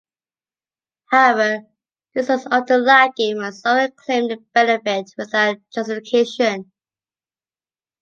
However, this was often lacking when someone claimed a benefit without justification.